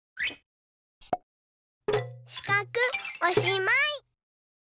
しかくおしまい。